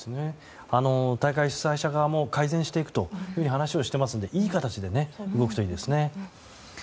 大会主催者側も改善していくというふうに話をしていますのでいい形で動くといいですね。